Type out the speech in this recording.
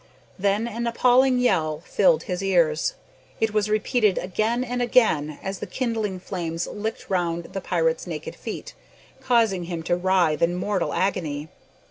Then an appalling yell filled his ears. It was repeated again and again, as the kindling flames licked round the pirate's naked feet, causing him to writhe in mortal agony.